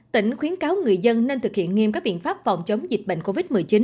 tỉnh khuyến cáo người dân nên thực hiện nghiêm các biện pháp phòng chống dịch bệnh covid một mươi chín